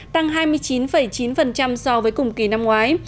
tăng hai mươi chín chín so với cùng kỳ năm ngoái